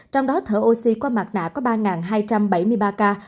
trong đó thở oxy qua mặt nạ có ba hai trăm bảy mươi ba ca